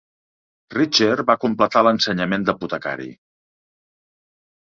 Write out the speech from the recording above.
Richter va completar l'ensenyament d'apotecari.